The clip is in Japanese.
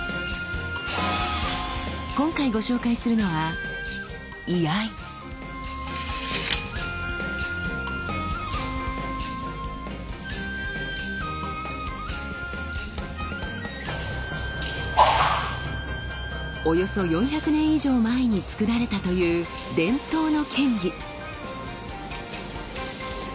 今回ご紹介するのはおよそ４００年以上前に作られたという伝統の剣技。